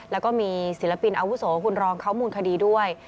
แล้วก็มีศิลปินอาวุโสคุณรองเขามูลคดีด้วย